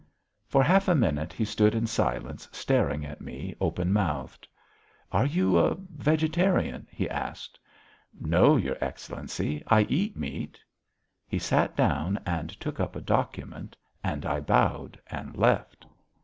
For half a minute he stood in silence staring at me open mouthed. "Are you a vegetarian?" he asked. "No, your Excellency, I eat meat." He sat down and took up a document, and I bowed and left.